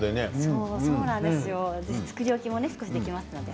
作り置きもできますのでね。